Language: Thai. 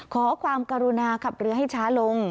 ขอความกรุณาขับเรือให้ช้าลง